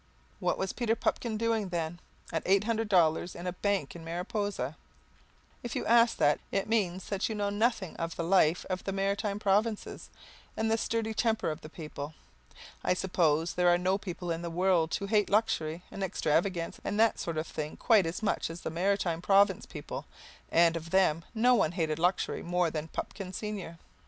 What was Peter Pupkin doing, then, at eight hundred dollars in a bank in Mariposa? If you ask that, it means that you know nothing of the life of the Maritime Provinces and the sturdy temper of the people. I suppose there are no people in the world who hate luxury and extravagance and that sort of thing quite as much as the Maritime Province people, and, of them, no one hated luxury more than Pupkin senior.